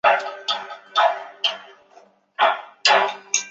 而伊底帕斯情结也是绝大部分心理疾病的中心。